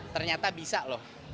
ternyata bisa loh